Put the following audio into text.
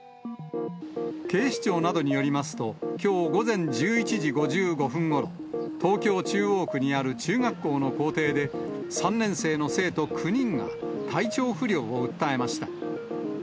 警視庁などによりますと、きょう午前１１時５５分ごろ、東京・中央区にある中学校の校庭で、３年生の生徒９人が体調不良を訴えました。